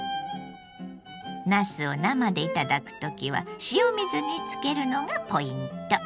なすを生で頂く時は塩水につけるのがポイント。